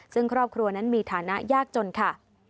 ซึ่งครอบครัวนั้นมีฐานะยากจนค่ะ